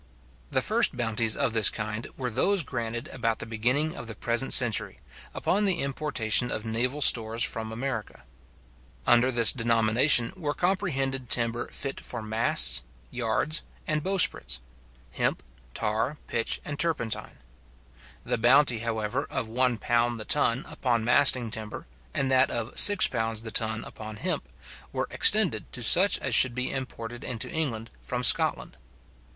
The first bounties of this kind were those granted about the beginning of the present century, upon the importation of naval stores from America. Under this denomination were comprehended timber fit for masts, yards, and bowsprits; hemp, tar, pitch, and turpentine. The bounty, however, of £1 the ton upon masting timber, and that of £6 the ton upon hemp, were extended to such as should be imported into England from Scotland.